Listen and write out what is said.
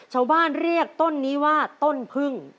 ชาวบ้านเรียกต้นนี้ว่าต้นพึ่ง